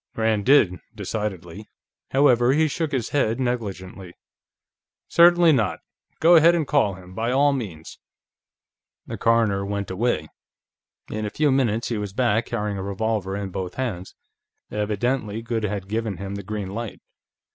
Rand did, decidedly. However, he shook his head negligently. "Certainly not; go ahead and call him, by all means." The coroner went away. In a few minutes he was back, carrying a revolver in both hands. Evidently Goode had given him the green light.